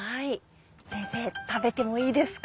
先生食べてもいいですか？